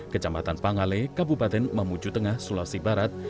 kecamatan pangale kabupaten mamuju tengah sulawesi barat